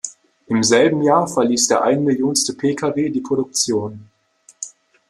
Im selben Jahr verließ der einmillionste Pkw die Produktion.